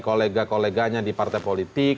kolega koleganya di partai politik